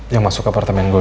yang masuk ke apartemen gol